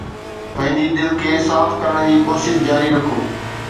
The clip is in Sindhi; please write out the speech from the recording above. پنهنجي دل کي صاف ڪرڻ جي ڪوشش جاري رکو